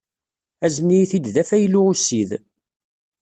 Azen-iyi-t-id d afaylu ussid.